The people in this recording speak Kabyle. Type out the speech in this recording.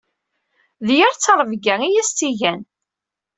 D yir ttrebga i as-tt-igan.